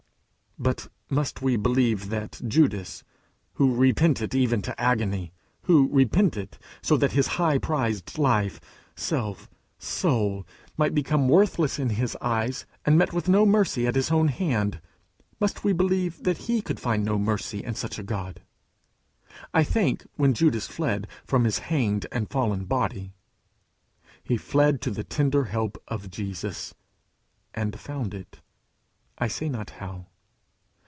But must we believe that Judas, who repented even to agony, who repented so that his high prized life, self, soul, became worthless in his eyes and met with no mercy at his own hand, must we believe that he could find no mercy in such a God? I think, when Judas fled from his hanged and fallen body, he fled to the tender help of Jesus, and found it I say not how.